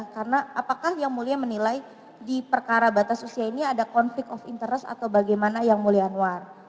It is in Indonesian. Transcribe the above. karena apakah yang mulia menilai di perkara batas usia ini ada conflict of interest atau bagaimana yang mulia anwar